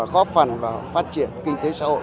góp phần vào phát triển kinh tế xã hội